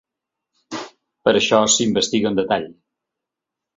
Per això, s’investiga en detall.